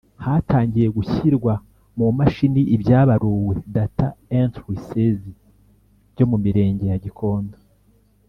Hatangiye gushyirwa mu mashini ibyabaruwe Data Entry Saisie byo mu mirenge ya Gikondo